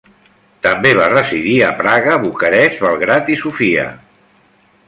També va residir a Praga, Bucarest, Belgrad i Sofia.